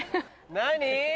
何？